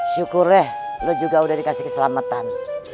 syukur deh lo juga udah dikasih keselamatan